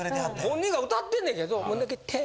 本人が歌ってんねんけど何か。